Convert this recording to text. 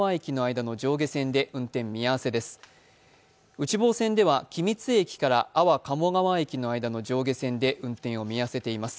内房線では君津駅から安房鴨川駅の間の上下線で運転を見合わせています。